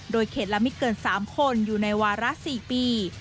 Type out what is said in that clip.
โดยเขตละไม่เกิน๓คนอยู่ในวาระ๔ปี